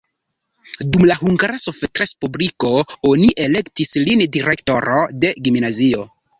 Dum la Hungara Sovetrespubliko oni elektis lin direktoro de gimnazio.